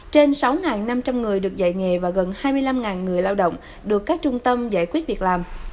trên sáu năm trăm linh người được dạy nghề và gần hai mươi năm người lao động được các trung tâm giải quyết việc làm